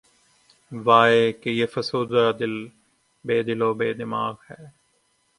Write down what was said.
واے! کہ یہ فسردہ دل‘ بے دل و بے دماغ ہے